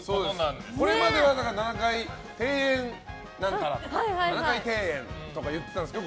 これまでは７階庭園とか言ってたんですけど